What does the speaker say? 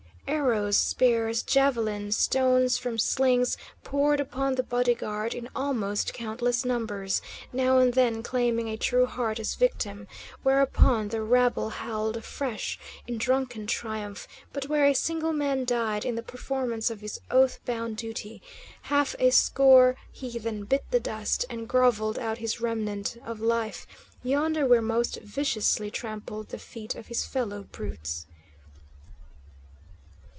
Arrows, spears, javelins, stones from slings, poured upon the body guard in almost countless numbers, now and then claiming a true heart as victim, whereupon the rabble howled afresh in drunken triumph; but where a single man died in the performance of his oath bound duty, half a score heathen bit the dust and grovelled out his remnant of life yonder where most viciously trampled the feet of his fellow brutes.